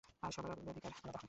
আর সবার অগ্রাধিকার আলাদা হয়।